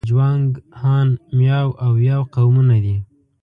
د جوانګ، هان، میاو او یاو قومونه دي.